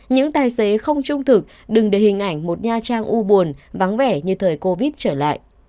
những tài xế không trung thực đừng để hình ảnh một nha trang u buồn vắng vẻ như thời covid trở lại